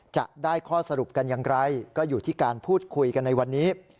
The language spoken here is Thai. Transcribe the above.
จะได้ข้อสรุปกันอย่างไรก็อยู่ที่การพูดคุยกันในวันนี้